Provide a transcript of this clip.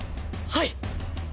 はい！